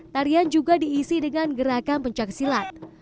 tarian juga diisi dengan gerakan pencak silat